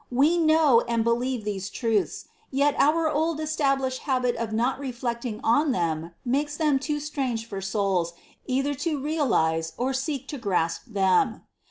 we know and believe these truths, yet our old established habit of not reflecting on them makes them too strange for souls either to realise or seek to grasp them.